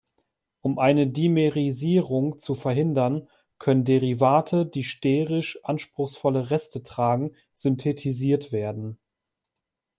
Um eine Dimerisierung zu verhindern können Derivate, die sterisch anspruchsvolle Reste tragen, synthetisiert werden.